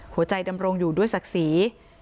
หัวใจดำรงอยู่ด้วยศักดิ์ศรี